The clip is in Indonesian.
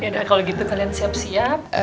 ya kalau gitu kalian siap siap